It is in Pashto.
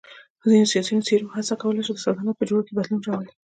ځینو سیاسی څېرو هڅه کوله چې د سلطنت په جوړښت کې بدلون راولي.